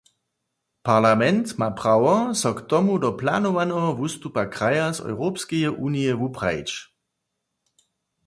Parlament ma prawo, so k tomu do planowaneho wustupa kraja z Europskeje unije wuprajić.